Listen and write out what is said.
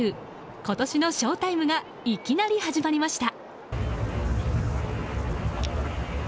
今年のショータイムがいきなり始まりました。